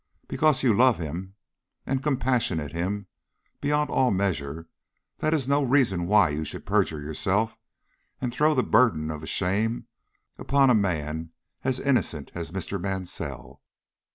Because you love him and compassionate him beyond all measure, that is no reason why you should perjure yourself, and throw the burden of his shame upon a man as innocent as Mr. Mansell."